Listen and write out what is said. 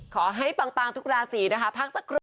ขอให้ปังทุกราศีพักสักครู่